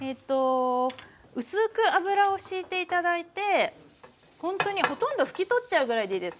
薄く油をしいて頂いてほんとにほとんど拭き取っちゃうぐらいでいいです。